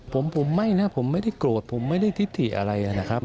ผมไม่นะผมไม่ได้โกรธผมไม่ได้ทิศถิอะไรนะครับ